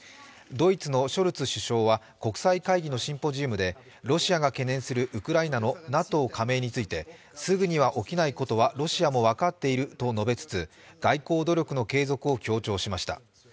ドイツのショルツ首相は国際会議のシンポジウムでロシアが懸念するウクライナのＮＡＴＯ加盟についてすぐには起きないことはロシアも分かっていると述べつつ、外交努力の継続を強調しました。